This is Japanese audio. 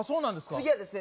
次はですね